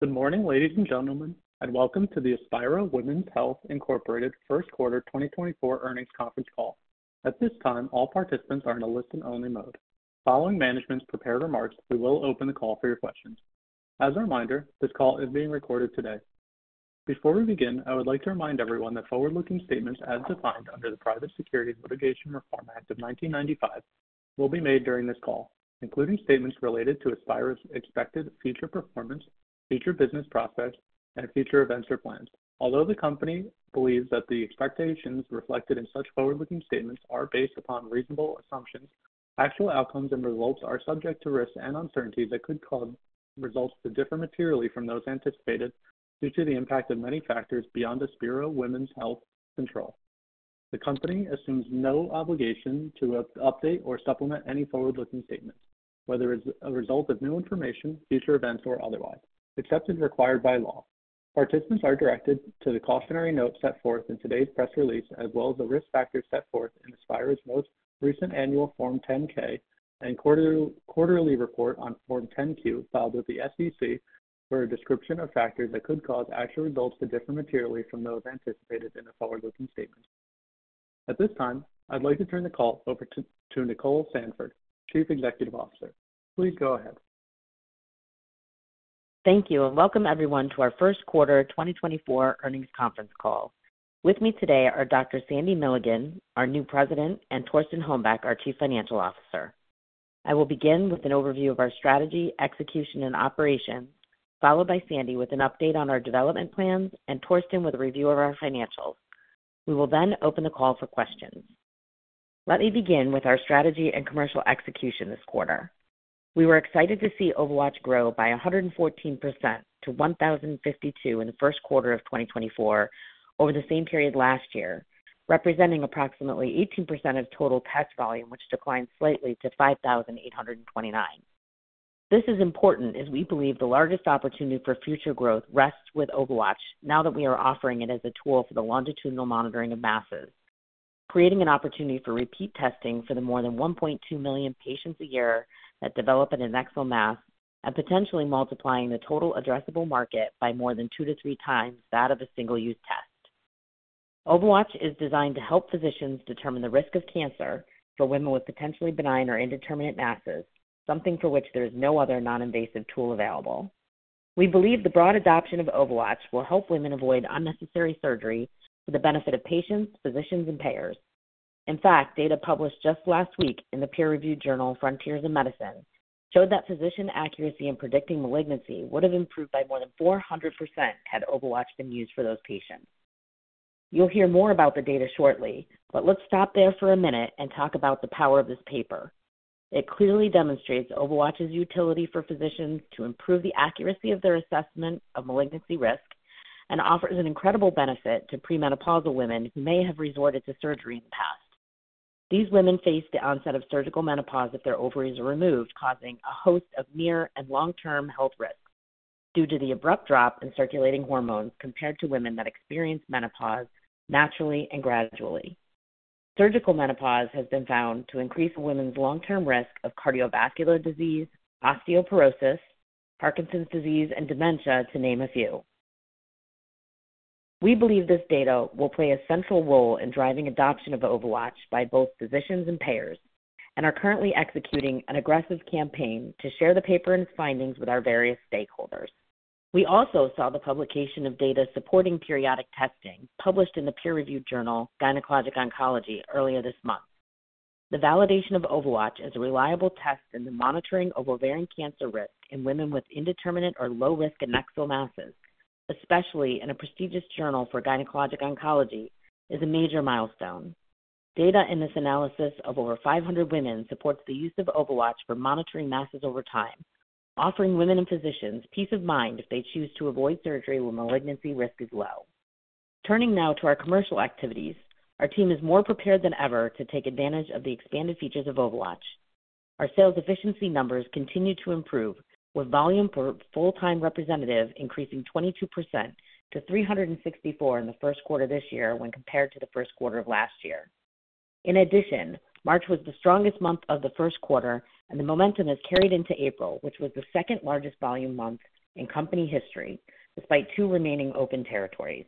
Good morning, ladies and gentlemen, and welcome to the Aspira Women's Health Incorporated first quarter 2024 earnings conference call. At this time, all participants are in a listen-only mode. Following management's prepared remarks, we will open the call for your questions. As a reminder, this call is being recorded today. Before we begin, I would like to remind everyone that forward-looking statements as defined under the Private Securities Litigation Reform Act of 1995 will be made during this call, including statements related to Aspira's expected future performance, future business prospects, and future events or plans. Although the company believes that the expectations reflected in such forward-looking statements are based upon reasonable assumptions, actual outcomes and results are subject to risks and uncertainties that could result to differ materially from those anticipated due to the impact of many factors beyond Aspira Women's Health control. The company assumes no obligation to update or supplement any forward-looking statements, whether it's a result of new information, future events, or otherwise, except as required by law. Participants are directed to the cautionary notes set forth in today's press release as well as the risk factors set forth in Aspira's most recent annual Form 10-K and quarterly report on Form 10-Q filed with the SEC for a description of factors that could cause actual results to differ materially from those anticipated in the forward-looking statements. At this time, I'd like to turn the call over to Nicole Sandford, Chief Executive Officer. Please go ahead. Thank you, and welcome everyone to our first quarter 2024 earnings conference call. With me today are Dr. Sandy Milligan, our new president, and Torsten Hombeck, our Chief Financial Officer. I will begin with an overview of our strategy, execution, and operations, followed by Sandy with an update on our development plans and Torsten with a review of our financials. We will then open the call for questions. Let me begin with our strategy and commercial execution this quarter. We were excited to see OvaWatch grow by 114% to 1,052 in the first quarter of 2024 over the same period last year, representing approximately 18% of total test volume, which declined slightly to 5,829. This is important as we believe the largest opportunity for future growth rests with OvaWatch now that we are offering it as a tool for the longitudinal monitoring of masses, creating an opportunity for repeat testing for the more than 1.2 million patients a year that develop an adnexal mass, and potentially multiplying the total addressable market by more than 2-3 times that of a single-use test. OvaWatch is designed to help physicians determine the risk of cancer for women with potentially benign or indeterminate masses, something for which there is no other non-invasive tool available. We believe the broad adoption of OvaWatch will help women avoid unnecessary surgery for the benefit of patients, physicians, and payers. In fact, data published just last week in the peer-reviewed journal Frontiers in Medicine showed that physician accuracy in predicting malignancy would have improved by more than 400% had OvaWatch been used for those patients. You'll hear more about the data shortly, but let's stop there for a minute and talk about the power of this paper. It clearly demonstrates OvaWatch's utility for physicians to improve the accuracy of their assessment of malignancy risk and offers an incredible benefit to premenopausal women who may have resorted to surgery in the past. These women face the onset of surgical menopause if their ovaries are removed, causing a host of near and long-term health risks due to the abrupt drop in circulating hormones compared to women that experience menopause naturally and gradually. Surgical menopause has been found to increase women's long-term risk of cardiovascular disease, osteoporosis, Parkinson's disease, and dementia, to name a few. We believe this data will play a central role in driving adoption of OvaWatch by both physicians and payers and are currently executing an aggressive campaign to share the paper and its findings with our various stakeholders. We also saw the publication of data supporting periodic testing published in the peer-reviewed journal Gynecologic Oncology earlier this month. The validation of OvaWatch as a reliable test in the monitoring of ovarian cancer risk in women with indeterminate or low-risk adnexal masses, especially in a prestigious journal for gynecologic oncology, is a major milestone. Data in this analysis of over 500 women supports the use of OvaWatch for monitoring masses over time, offering women and physicians peace of mind if they choose to avoid surgery when malignancy risk is low. Turning now to our commercial activities, our team is more prepared than ever to take advantage of the expanded features of OvaWatch. Our sales efficiency numbers continue to improve, with volume per full-time representative increasing 22% to 364 in the first quarter this year when compared to the first quarter of last year. In addition, March was the strongest month of the first quarter, and the momentum has carried into April, which was the second-largest volume month in company history despite two remaining open territories.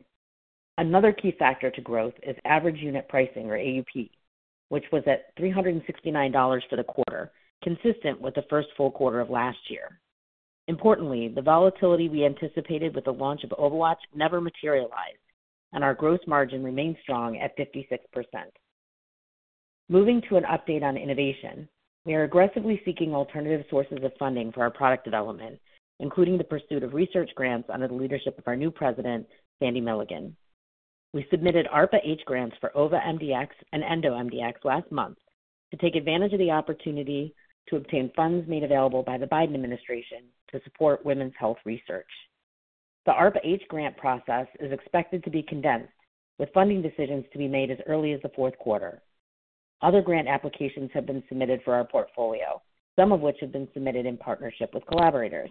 Another key factor to growth is average unit pricing, or AUP, which was at $369 for the quarter, consistent with the first full quarter of last year. Importantly, the volatility we anticipated with the launch of OvaWatch never materialized, and our gross margin remained strong at 56%. Moving to an update on innovation, we are aggressively seeking alternative sources of funding for our product development, including the pursuit of research grants under the leadership of our new President, Sandy Milligan. We submitted ARPA-H grants for OvaMDx and EndoMDx last month to take advantage of the opportunity to obtain funds made available by the Biden administration to support women's health research. The ARPA-H grant process is expected to be condensed, with funding decisions to be made as early as the fourth quarter. Other grant applications have been submitted for our portfolio, some of which have been submitted in partnership with collaborators.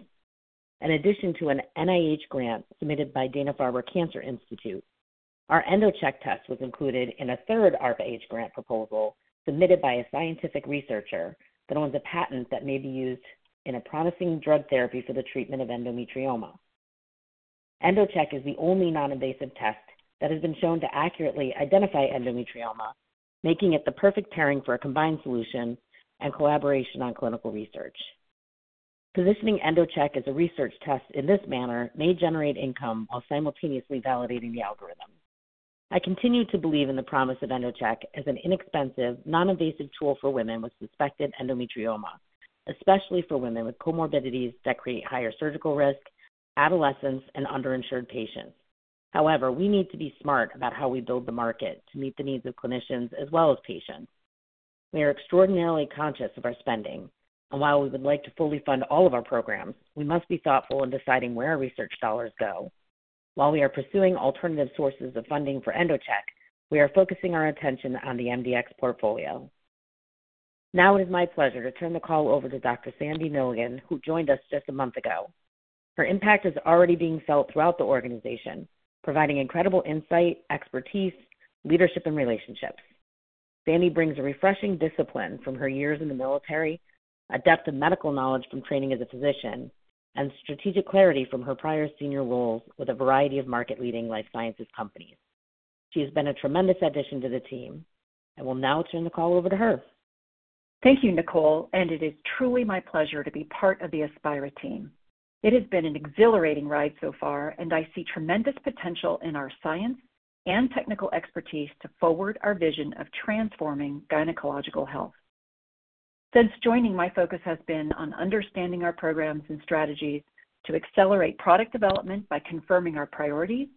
In addition to an NIH grant submitted by Dana-Farber Cancer Institute, our EndoCheck test was included in a third ARPA-H grant proposal submitted by a scientific researcher that owns a patent that may be used in a promising drug therapy for the treatment of endometrioma. EndoCheck is the only non-invasive test that has been shown to accurately identify endometrioma, making it the perfect pairing for a combined solution and collaboration on clinical research. Positioning EndoCheck as a research test in this manner may generate income while simultaneously validating the algorithm. I continue to believe in the promise of EndoCheck as an inexpensive, non-invasive tool for women with suspected endometrioma, especially for women with comorbidities that create higher surgical risk, adolescents, and underinsured patients. However, we need to be smart about how we build the market to meet the needs of clinicians as well as patients. We are extraordinarily conscious of our spending, and while we would like to fully fund all of our programs, we must be thoughtful in deciding where our research dollars go. While we are pursuing alternative sources of funding for EndoCheck, we are focusing our attention on the MDx portfolio. Now it is my pleasure to turn the call over to Dr. Sandy Milligan, who joined us just a month ago. Her impact is already being felt throughout the organization, providing incredible insight, expertise, leadership, and relationships. Sandy brings a refreshing discipline from her years in the military, a depth of medical knowledge from training as a physician, and strategic clarity from her prior senior roles with a variety of market-leading life sciences companies. She has been a tremendous addition to the team, and we'll now turn the call over to her. Thank you, Nicole, and it is truly my pleasure to be part of the Aspira team. It has been an exhilarating ride so far, and I see tremendous potential in our science and technical expertise to forward our vision of transforming gynecological health. Since joining, my focus has been on understanding our programs and strategies to accelerate product development by confirming our priorities,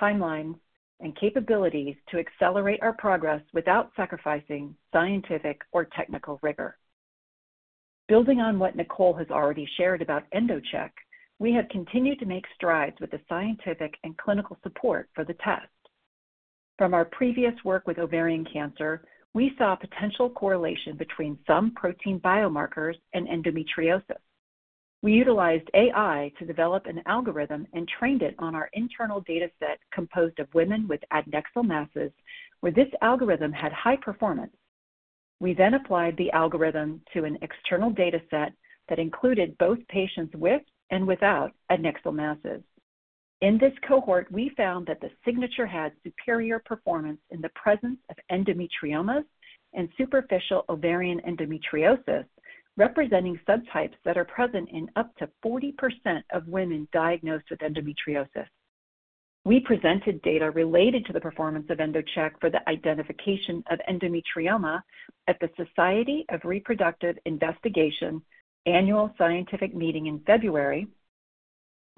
timelines, and capabilities to accelerate our progress without sacrificing scientific or technical rigor. Building on what Nicole has already shared about EndoCheck, we have continued to make strides with the scientific and clinical support for the test. From our previous work with ovarian cancer, we saw a potential correlation between some protein biomarkers and endometriosis. We utilized AI to develop an algorithm and trained it on our internal dataset composed of women with adnexal masses, where this algorithm had high performance. We then applied the algorithm to an external dataset that included both patients with and without adnexal masses. In this cohort, we found that the signature had superior performance in the presence of endometriomas and superficial ovarian endometriosis, representing subtypes that are present in up to 40% of women diagnosed with endometriosis. We presented data related to the performance of EndoCheck for the identification of endometrioma at the Society for Reproductive Investigation annual scientific meeting in February,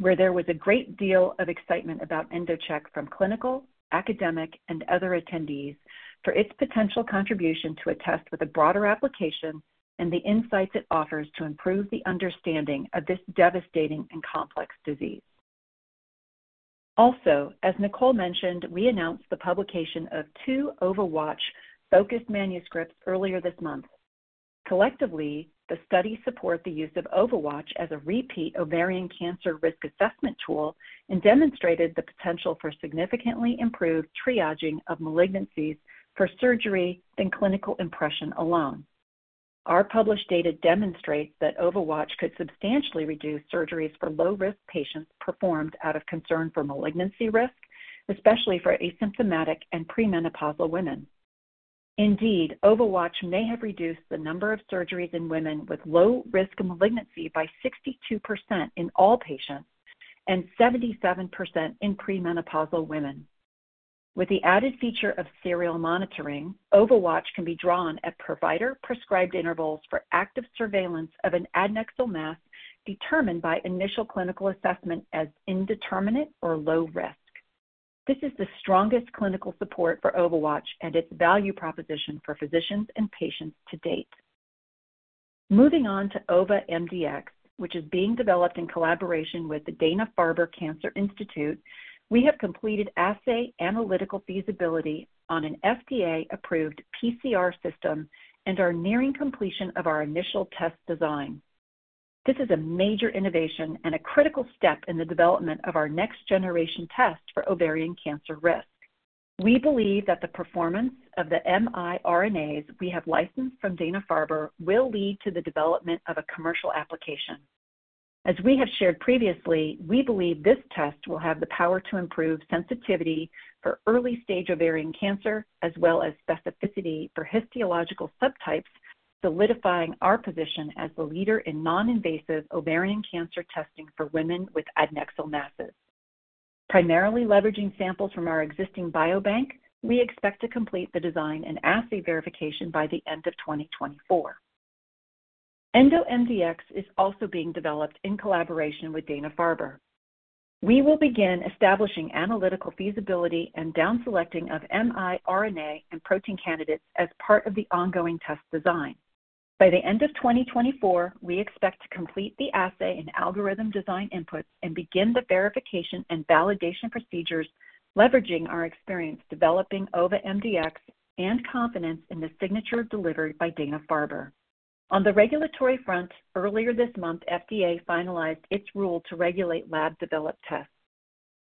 where there was a great deal of excitement about EndoCheck from clinical, academic, and other attendees for its potential contribution to a test with a broader application and the insights it offers to improve the understanding of this devastating and complex disease. Also, as Nicole mentioned, we announced the publication of two OvaWatch-focused manuscripts earlier this month. Collectively, the studies support the use of OvaWatch as a repeat ovarian cancer risk assessment tool and demonstrated the potential for significantly improved triaging of malignancies for surgery than clinical impression alone. Our published data demonstrates that OvaWatch could substantially reduce surgeries for low-risk patients performed out of concern for malignancy risk, especially for asymptomatic and premenopausal women. Indeed, OvaWatch may have reduced the number of surgeries in women with low-risk malignancy by 62% in all patients and 77% in premenopausal women. With the added feature of serial monitoring, OvaWatch can be drawn at provider-prescribed intervals for active surveillance of an adnexal mass determined by initial clinical assessment as indeterminate or low risk. This is the strongest clinical support for OvaWatch and its value proposition for physicians and patients to date. Moving on to OvaMDx, which is being developed in collaboration with the Dana-Farber Cancer Institute, we have completed assay analytical feasibility on an FDA-approved PCR system and are nearing completion of our initial test design. This is a major innovation and a critical step in the development of our next-generation test for ovarian cancer risk. We believe that the performance of the miRNAs we have licensed from Dana-Farber will lead to the development of a commercial application. As we have shared previously, we believe this test will have the power to improve sensitivity for early-stage ovarian cancer as well as specificity for histological subtypes, solidifying our position as the leader in non-invasive ovarian cancer testing for women with adnexal masses. Primarily leveraging samples from our existing biobank, we expect to complete the design and assay verification by the end of 2024. EndoMDx is also being developed in collaboration with Dana-Farber. We will begin establishing analytical feasibility and downselecting of miRNA and protein candidates as part of the ongoing test design. By the end of 2024, we expect to complete the assay and algorithm design inputs and begin the verification and validation procedures leveraging our experience developing OvaMDx and confidence in the signature delivered by Dana-Farber. On the regulatory front, earlier this month, FDA finalized its rule to regulate lab-developed tests.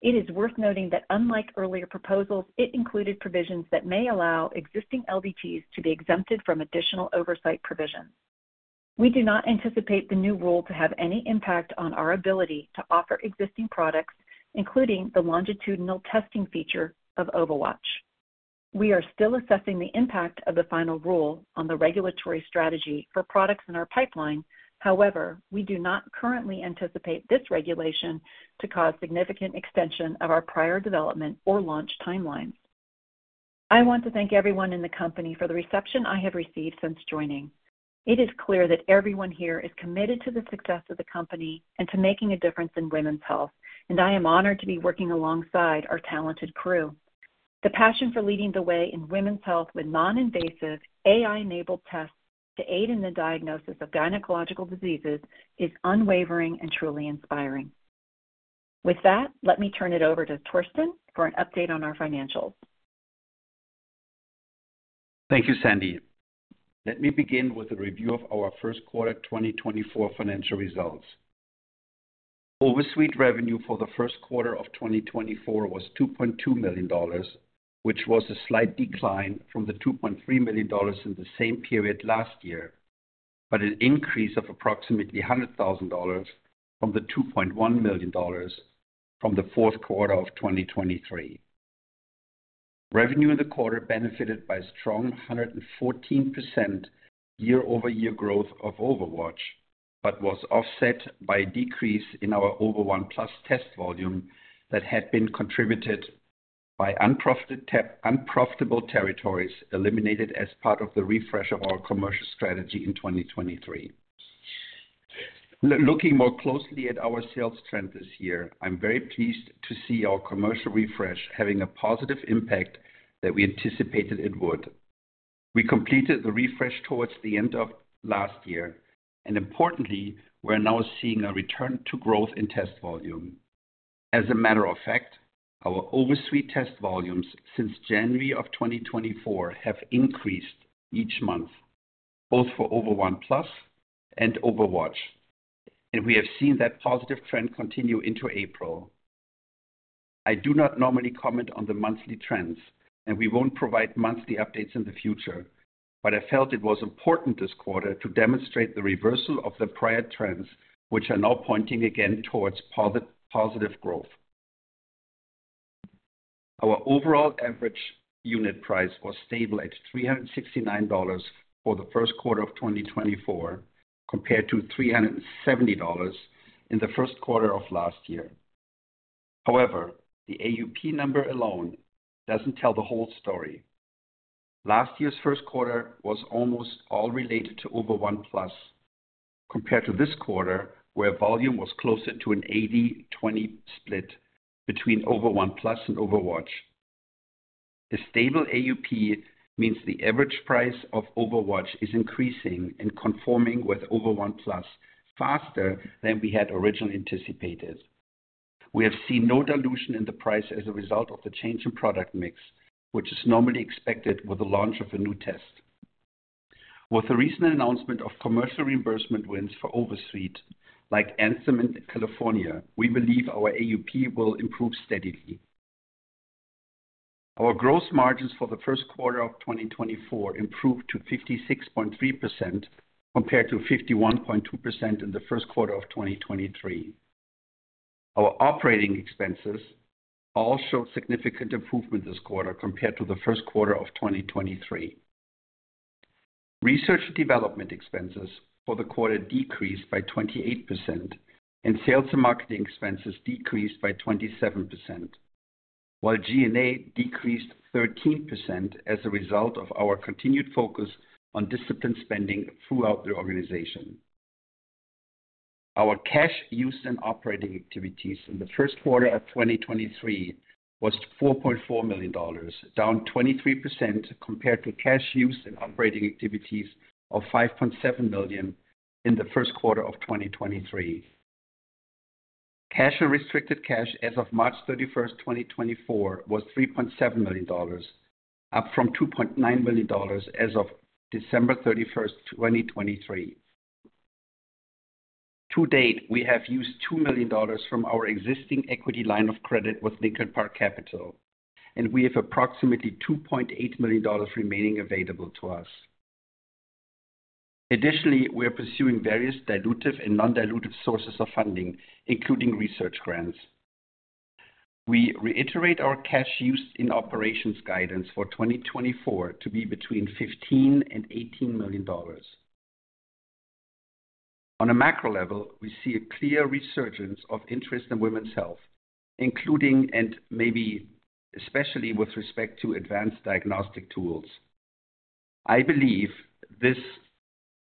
It is worth noting that, unlike earlier proposals, it included provisions that may allow existing LDTs to be exempted from additional oversight provisions. We do not anticipate the new rule to have any impact on our ability to offer existing products, including the longitudinal testing feature of OvaWatch. We are still assessing the impact of the final rule on the regulatory strategy for products in our pipeline. However, we do not currently anticipate this regulation to cause significant extension of our prior development or launch timelines. I want to thank everyone in the company for the reception I have received since joining. It is clear that everyone here is committed to the success of the company and to making a difference in women's health, and I am honored to be working alongside our talented crew. The passion for leading the way in women's health with non-invasive, AI-enabled tests to aid in the diagnosis of gynecological diseases is unwavering and truly inspiring. With that, let me turn it over to Torsten for an update on our financials. Thank you, Sandy. Let me begin with a review of our first quarter 2024 financial results. OvaSuite revenue for the first quarter of 2024 was $2.2 million, which was a slight decline from the $2.3 million in the same period last year, but an increase of approximately $100,000 from the $2.1 million from the fourth quarter of 2023. Revenue in the quarter benefited by strong 114% year-over-year growth of OvaWatch but was offset by a decrease in our Ova1Plus test volume that had been contributed by unprofitable territories eliminated as part of the refresh of our commercial strategy in 2023. Looking more closely at our sales trend this year, I'm very pleased to see our commercial refresh having a positive impact that we anticipated it would. We completed the refresh towards the end of last year, and importantly, we're now seeing a return to growth in test volume. As a matter of fact, our OvaSuite test volumes since January of 2024 have increased each month, both for Ova1Plus and OvaWatch, and we have seen that positive trend continue into April. I do not normally comment on the monthly trends, and we won't provide monthly updates in the future, but I felt it was important this quarter to demonstrate the reversal of the prior trends, which are now pointing again towards positive growth. Our overall average unit price was stable at $369 for the first quarter of 2024 compared to $370 in the first quarter of last year. However, the AUP number alone doesn't tell the whole story. Last year's first quarter was almost all related to Ova1Plus compared to this quarter, where volume was closer to an 80/20 split between Ova1Plus and OvaWatch. A stable AUP means the average price of OvaWatch is increasing and conforming with Ova1Plus faster than we had originally anticipated. We have seen no dilution in the price as a result of the change in product mix, which is normally expected with the launch of a new test. With the recent announcement of commercial reimbursement wins for OvaSuite, like Anthem in California, we believe our AUP will improve steadily. Our gross margins for the first quarter of 2024 improved to 56.3% compared to 51.2% in the first quarter of 2023. Our operating expenses all showed significant improvement this quarter compared to the first quarter of 2023. Research and development expenses for the quarter decreased by 28%, and sales and marketing expenses decreased by 27%, while G&A decreased 13% as a result of our continued focus on disciplined spending throughout the organization. Our cash used in operating activities in the first quarter of 2023 was $4.4 million, down 23% compared to cash used in operating activities of $5.7 million in the first quarter of 2023. Cash and restricted cash as of March 31, 2024, was $3.7 million, up from $2.9 million as of December 31, 2023. To date, we have used $2 million from our existing equity line of credit with Lincoln Park Capital, and we have approximately $2.8 million remaining available to us. Additionally, we are pursuing various dilutive and non-dilutive sources of funding, including research grants. We reiterate our cash used in operations guidance for 2024 to be between $15-$18 million. On a macro level, we see a clear resurgence of interest in women's health, including and maybe especially with respect to advanced diagnostic tools. I believe this,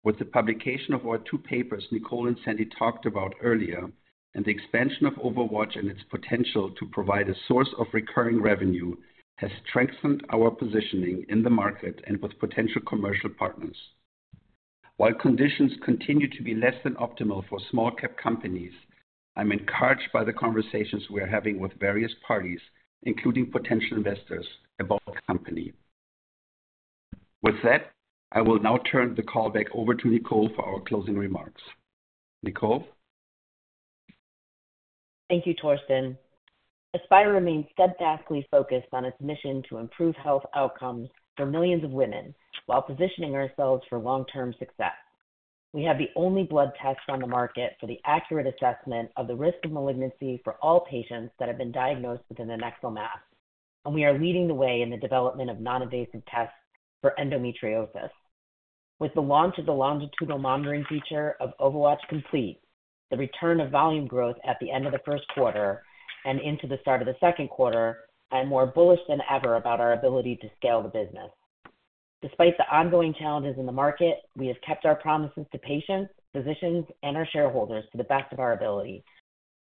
with the publication of our two papers Nicole and Sandy talked about earlier and the expansion of OvaWatch and its potential to provide a source of recurring revenue, has strengthened our positioning in the market and with potential commercial partners. While conditions continue to be less than optimal for small-cap companies, I'm encouraged by the conversations we are having with various parties, including potential investors, about the company. With that, I will now turn the call back over to Nicole for our closing remarks. Nicole? Thank you, Torsten. Aspira remains steadfastly focused on its mission to improve health outcomes for millions of women while positioning ourselves for long-term success. We have the only blood tests on the market for the accurate assessment of the risk of malignancy for all patients that have been diagnosed with an adnexal mass, and we are leading the way in the development of non-invasive tests for endometriosis. With the launch of the longitudinal monitoring feature of OvaWatch complete, the return of volume growth at the end of the first quarter, and into the start of the second quarter, I am more bullish than ever about our ability to scale the business. Despite the ongoing challenges in the market, we have kept our promises to patients, physicians, and our shareholders to the best of our ability.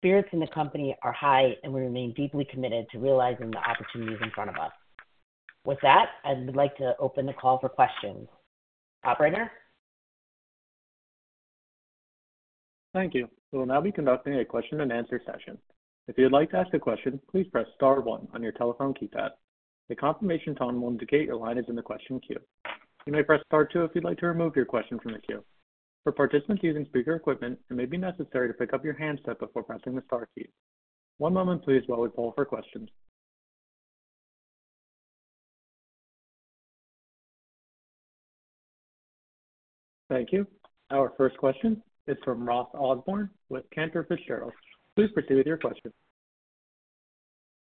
Spirits in the company are high, and we remain deeply committed to realizing the opportunities in front of us. With that, I would like to open the call for questions. Operator? Thank you. We will now be conducting a question-and-answer session. If you would like to ask a question, please press star 1 on your telephone keypad. The confirmation tone will indicate your line is in the question queue. You may press star 2 if you'd like to remove your question from the queue. For participants using speaker equipment, it may be necessary to pick up your handset before pressing the star key. One moment, please, while we pull for questions. Thank you. Our first question is from Ross Osborn with Cantor Fitzgerald. Please proceed with your question.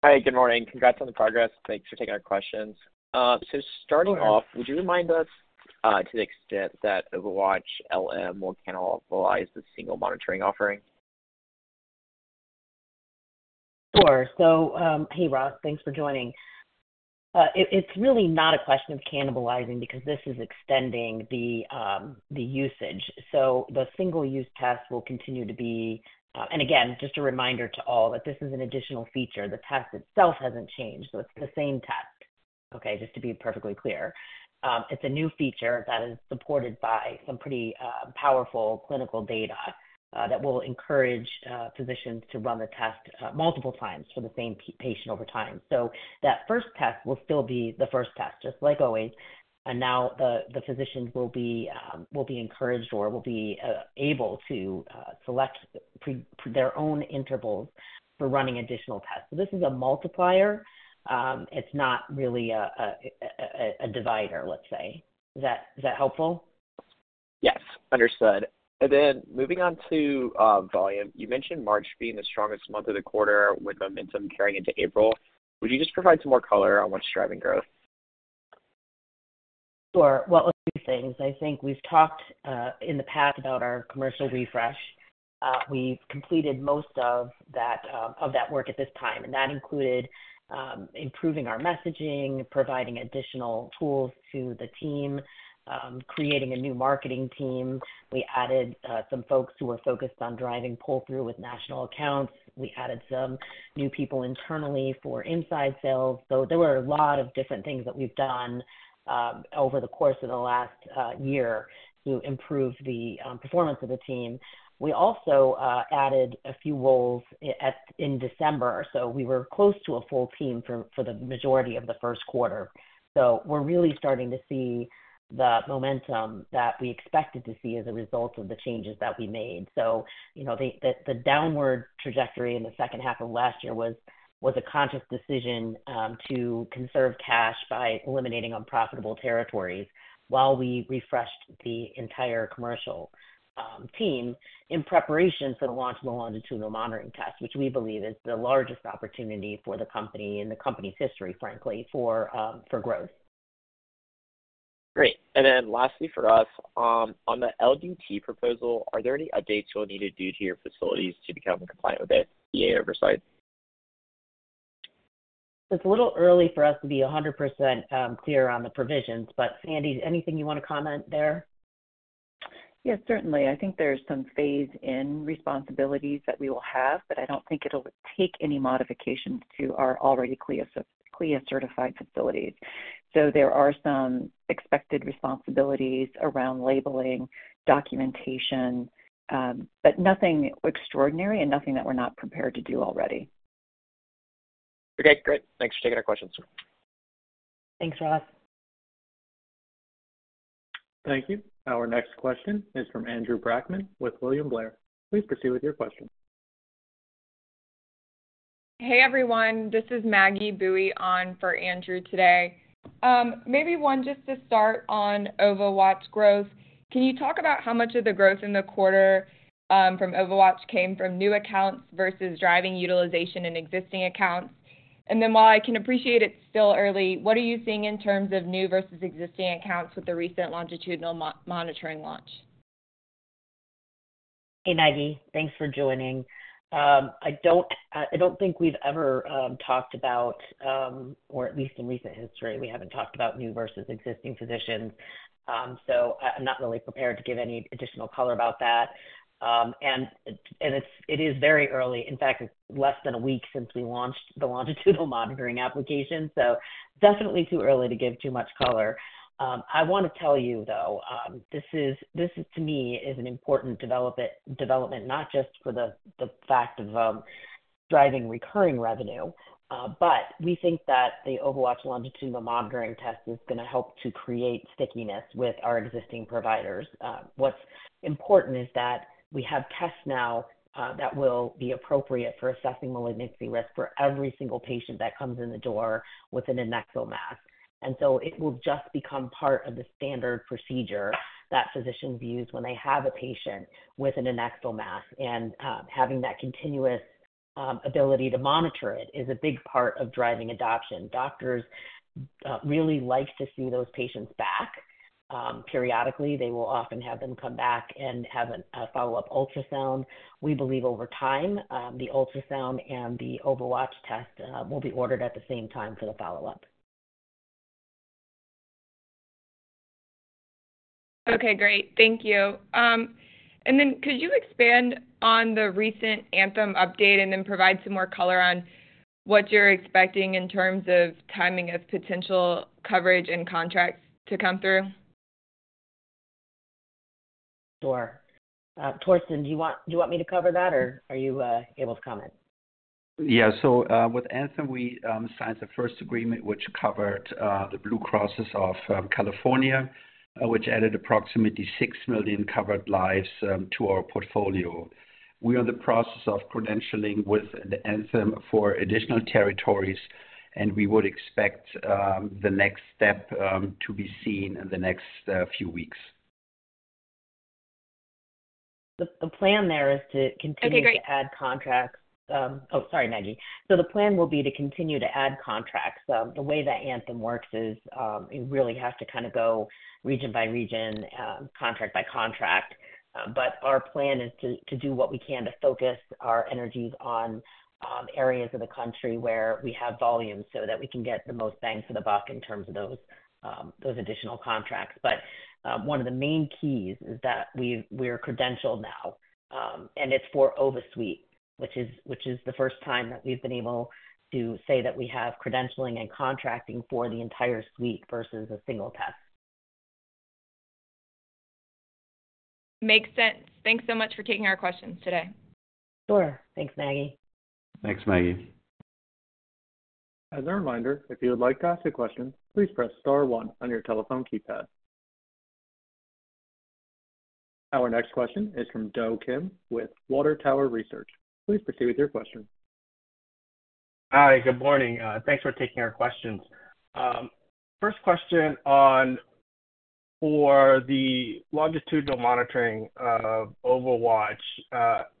Hi, good morning. Congrats on the progress. Thanks for taking our questions. So starting off, would you remind us to the extent that OvaWatch LM will cannibalize the single monitoring offering? Sure. So hey, Ross, thanks for joining. It's really not a question of cannibalizing because this is extending the usage. So the single-use test will continue to be and again, just a reminder to all that this is an additional feature. The test itself hasn't changed, so it's the same test, okay, just to be perfectly clear. It's a new feature that is supported by some pretty powerful clinical data that will encourage physicians to run the test multiple times for the same patient over time. So that first test will still be the first test, just like always, and now the physicians will be encouraged or will be able to select their own intervals for running additional tests. So this is a multiplier. It's not really a divider, let's say. Is that helpful? Yes, understood. Moving on to volume, you mentioned March being the strongest month of the quarter with momentum carrying into April. Would you just provide some more color on what's driving growth? Sure. Well, a few things. I think we've talked in the past about our commercial refresh. We've completed most of that work at this time, and that included improving our messaging, providing additional tools to the team, creating a new marketing team. We added some folks who were focused on driving pull-through with national accounts. We added some new people internally for inside sales. So there were a lot of different things that we've done over the course of the last year to improve the performance of the team. We also added a few roles in December, so we were close to a full team for the majority of the first quarter. So we're really starting to see the momentum that we expected to see as a result of the changes that we made. The downward trajectory in the second half of last year was a conscious decision to conserve cash by eliminating unprofitable territories while we refreshed the entire commercial team in preparation for the launch of the longitudinal monitoring test, which we believe is the largest opportunity for the company in the company's history, frankly, for growth. Great. Then lastly for us, on the LDT proposal, are there any updates you'll need to do to your facilities to become compliant with FDA oversight? It's a little early for us to be 100% clear on the provisions, but Sandy, anything you want to comment there? Yes, certainly. I think there's some phase-in responsibilities that we will have, but I don't think it'll take any modifications to our already CLIA-certified facilities. There are some expected responsibilities around labeling, documentation, but nothing extraordinary and nothing that we're not prepared to do already. Okay, great. Thanks for taking our questions. Thanks, Ross. Thank you. Our next question is from Andrew Brackman with William Blair. Please proceed with your question. Hey, everyone. This is Maggie Boeye on for Andrew today. Maybe one just to start on OvaWatch growth. Can you talk about how much of the growth in the quarter from OvaWatch came from new accounts versus driving utilization in existing accounts? And then while I can appreciate it's still early, what are you seeing in terms of new versus existing accounts with the recent longitudinal monitoring launch? Hey, Maggie. Thanks for joining. I don't think we've ever talked about or at least in recent history, we haven't talked about new versus existing providers. So I'm not really prepared to give any additional color about that. It is very early. In fact, it's less than a week since we launched the longitudinal monitoring application, so definitely too early to give too much color. I want to tell you, though, this to me is an important development, not just for the fact of driving recurring revenue, but we think that the OvaWatch longitudinal monitoring test is going to help to create stickiness with our existing providers. What's important is that we have tests now that will be appropriate for assessing malignancy risk for every single patient that comes in the door with an adnexal mass. So it will just become part of the standard procedure that physicians use when they have a patient with an adnexal mass. Having that continuous ability to monitor it is a big part of driving adoption. Doctors really like to see those patients back periodically. They will often have them come back and have a follow-up ultrasound. We believe over time, the ultrasound and the OvaWatch test will be ordered at the same time for the follow-up. Okay, great. Thank you. Then could you expand on the recent Anthem update and then provide some more color on what you're expecting in terms of timing of potential coverage and contracts to come through? Sure. Torsten, do you want me to cover that, or are you able to comment? Yeah. So with Anthem, we signed the first agreement, which covered the Blue Cross of California, which added approximately 6 million covered lives to our portfolio. We are in the process of credentialing with the Anthem for additional territories, and we would expect the next step to be seen in the next few weeks. The plan there is to continue to add contracts. Oh, sorry, Maggie. So the plan will be to continue to add contracts. The way that Anthem works is you really have to kind of go region by region, contract by contract. But our plan is to do what we can to focus our energies on areas of the country where we have volume so that we can get the most bang for the buck in terms of those additional contracts. But one of the main keys is that we're credentialed now, and it's for OvaSuite, which is the first time that we've been able to say that we have credentialing and contracting for the entire suite versus a single test. Makes sense. Thanks so much for taking our questions today. Sure. Thanks, Maggie. Thanks, Maggie. As a reminder, if you would like to ask a question, please press star 1 on your telephone keypad. Our next question is from Do Kim with Water Tower Research. Please proceed with your question. Hi, good morning. Thanks for taking our questions. First question on for the longitudinal monitoring of OvaWatch, how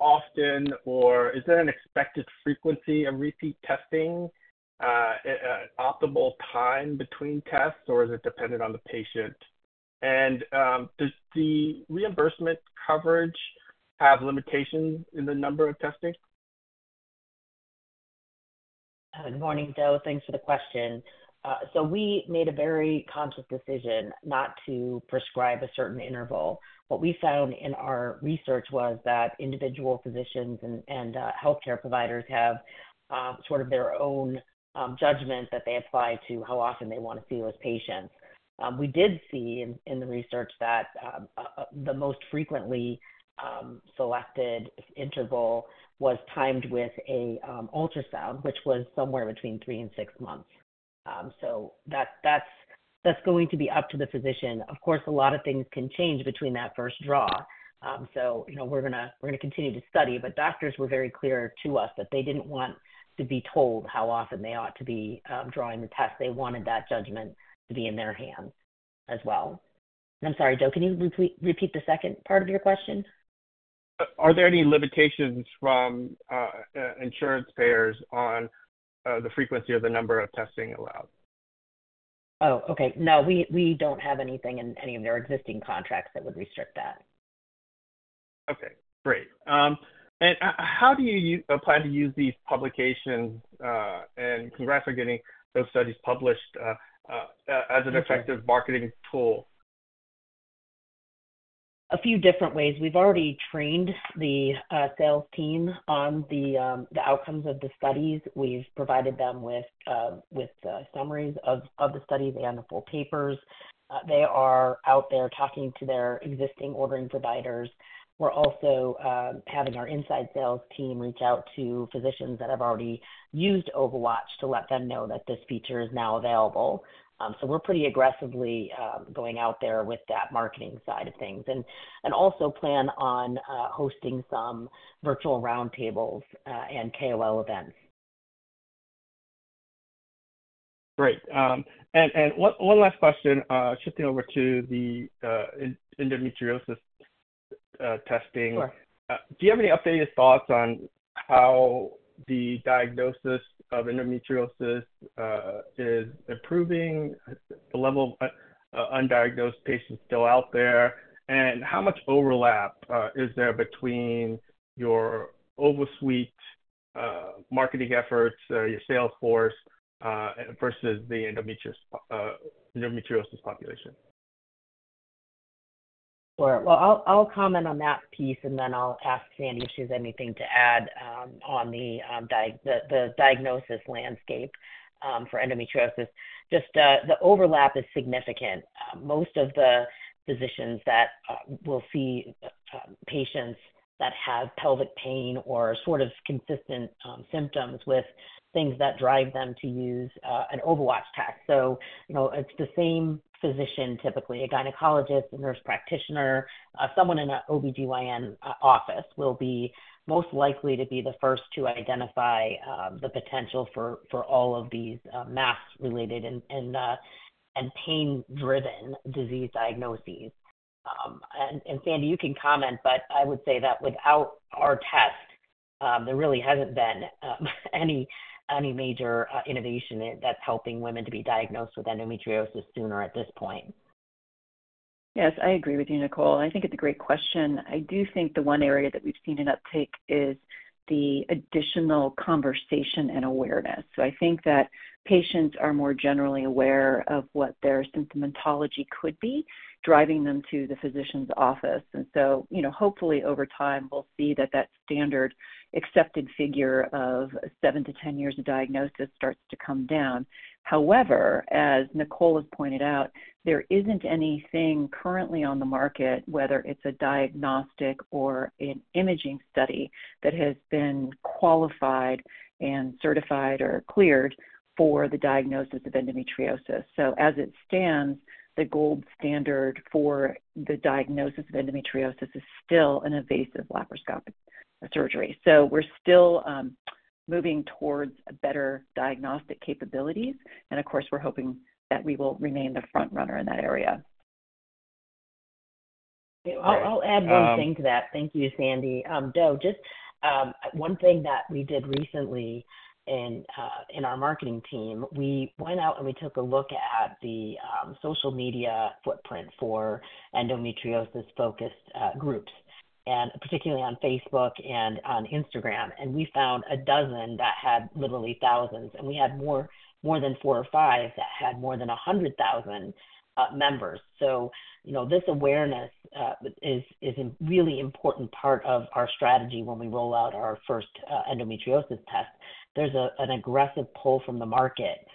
often or is there an expected frequency of repeat testing, an optimal time between tests, or is it dependent on the patient? And does the reimbursement coverage have limitations in the number of testing? Good morning, Do. Thanks for the question. So we made a very conscious decision not to prescribe a certain interval. What we found in our research was that individual physicians and healthcare providers have sort of their own judgment that they apply to how often they want to see those patients. We did see in the research that the most frequently selected interval was timed with an ultrasound, which was somewhere between 3 and 6 months. So that's going to be up to the physician. Of course, a lot of things can change between that first draw. So we're going to continue to study, but doctors were very clear to us that they didn't want to be told how often they ought to be drawing the test. They wanted that judgment to be in their hands as well. I'm sorry, Do, can you repeat the second part of your question? Are there any limitations from insurance payers on the frequency or the number of testing allowed? Oh, okay. No, we don't have anything in any of their existing contracts that would restrict that. Okay, great. How do you plan to use these publications, and congrats on getting those studies published, as an effective marketing tool? A few different ways. We've already trained the sales team on the outcomes of the studies. We've provided them with summaries of the studies and the full papers. They are out there talking to their existing ordering providers. We're also having our inside sales team reach out to physicians that have already used OvaWatch to let them know that this feature is now available. So we're pretty aggressively going out there with that marketing side of things and also plan on hosting some virtual roundtables and KOL events. Great. And one last question, shifting over to the endometriosis testing. Do you have any updated thoughts on how the diagnosis of endometriosis is improving? The level of undiagnosed patients still out there. And how much overlap is there between your OvaSuite marketing efforts, your sales force, versus the endometriosis population? Sure. Well, I'll comment on that piece, and then I'll ask Sandy if she has anything to add on the diagnosis landscape for endometriosis. Just the overlap is significant. Most of the physicians that will see patients that have pelvic pain or sort of consistent symptoms with things that drive them to use an OvaWatch test. So it's the same physician typically, a gynecologist, a nurse practitioner, someone in an OB-GYN office will be most likely to be the first to identify the potential for all of these mass-related and pain-driven disease diagnoses. And Sandy, you can comment, but I would say that without our test, there really hasn't been any major innovation that's helping women to be diagnosed with endometriosis sooner at this point. Yes, I agree with you, Nicole. I think it's a great question. I do think the one area that we've seen an uptake is the additional conversation and awareness. I think that patients are more generally aware of what their symptomatology could be driving them to the physician's office. So hopefully, over time, we'll see that that standard accepted figure of 7-10 years of diagnosis starts to come down. However, as Nicole has pointed out, there isn't anything currently on the market, whether it's a diagnostic or an imaging study, that has been qualified and certified or cleared for the diagnosis of endometriosis. As it stands, the gold standard for the diagnosis of endometriosis is still an invasive laparoscopic surgery. We're still moving towards better diagnostic capabilities. Of course, we're hoping that we will remain the frontrunner in that area. I'll add one thing to that. Thank you, Sandy. Do, just one thing that we did recently in our marketing team, we went out and we took a look at the social media footprint for endometriosis-focused groups, particularly on Facebook and on Instagram. And we found a dozen that had literally thousands. And we had more than four or five that had more than 100,000 members. So this awareness is a really important part of our strategy when we roll out our first endometriosis test. There's an aggressive pull from the market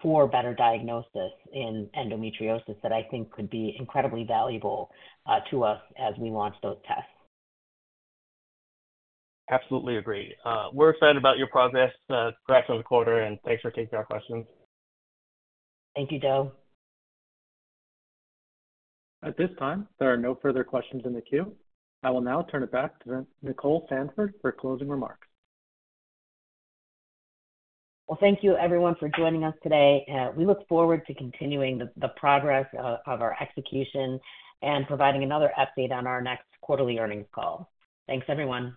for better diagnosis in endometriosis that I think could be incredibly valuable to us as we launch those tests. Absolutely agree. We're excited about your progress. Congrats on the quarter, and thanks for taking our questions. Thank you, Do. At this time, there are no further questions in the queue. I will now turn it back to Nicole Sandford for closing remarks. Well, thank you, everyone, for joining us today. We look forward to continuing the progress of our execution and providing another update on our next quarterly earnings call. Thanks, everyone.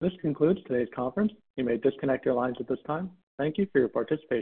This concludes today's conference. You may disconnect your lines at this time. Thank you for your participation.